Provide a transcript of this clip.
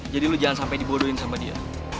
jadi lo jangan sampe dibodohin sama dia